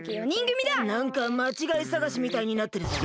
なんかまちがいさがしみたいになってるぞ。